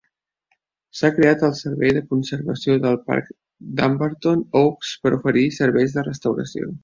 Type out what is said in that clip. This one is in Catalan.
S'ha creat el servei de conservació del Parc Dumbarton Oaks per oferir serveis de restauració.